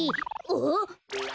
あっ！